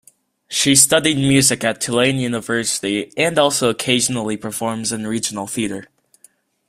She studied music at Tulane University and also occasionally performs in regional theatre.